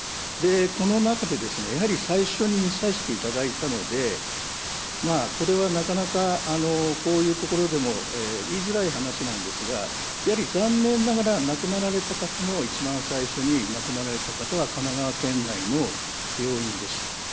この中で、やはり最初に診させていただいたので、これはなかなかこういうところでも、言いづらい話なんですが、やはり残念ながら、亡くなられた方も、一番最初に亡くなられた方は、神奈川県内の病院でした。